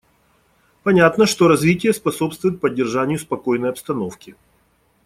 Понятно, что развитие способствует поддержанию спокойной обстановки.